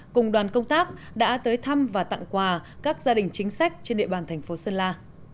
cùng đoàn công tác đã tới thăm và tặng quà các gia đình chính sách trên địa bàn thành phố sơn la